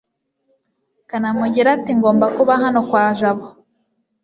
kanamugire ati ngomba kuba hano kwa jabo